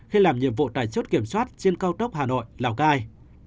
khi làm nhiệm vụ tại chốt kiểm soát trên cao tốc hà nội lào cai